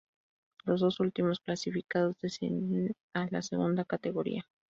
Los dos últimos clasificados descienden a la segunda categoría.